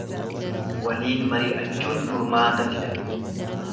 Waliin mari’achuun furmaata fida.